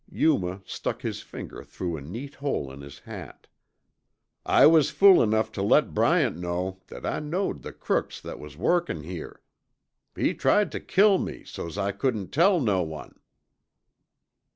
Yuma stuck his finger through a neat hole in his hat. "I was fool enough tuh let Bryant know that I knowed the crooks that was workin' here. He tried tuh kill me so's I couldn't tell no one."